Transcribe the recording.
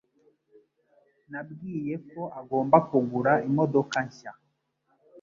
Nabwiye ko agomba kugura imodoka nshya.